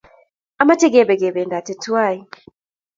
Amache kepe kependate twai